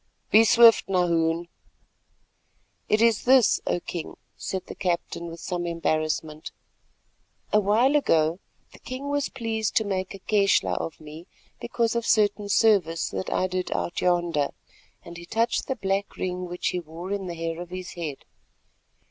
"Be swift, then, Nahoon." "It is this, O King," said the captain with some embarrassment: "A while ago the king was pleased to make a keshla of me because of certain service that I did out yonder——" and he touched the black ring which he wore in the hair of his head.